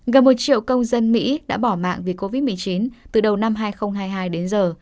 gần một triệu công dân mỹ đã bỏ mạng vì covid một mươi chín từ đầu năm hai nghìn hai mươi hai đến giờ